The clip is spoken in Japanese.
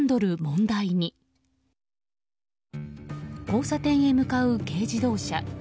交差点へ向かう軽自動車。